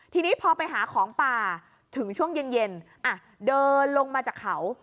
ทีนี้พอไปหาของป่าถึงช่วงเย็นเดินลงมาจากเขา